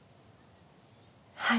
はい。